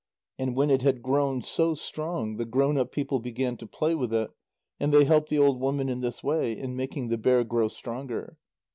And when it had grown so strong the grown up people began to play with it, and they helped the old woman in this way, in making the bear grow stronger.